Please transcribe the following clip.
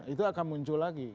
itu akan muncul lagi